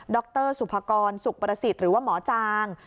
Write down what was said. รสุภากรสุขประสิทธิ์หรือว่าหมอจาง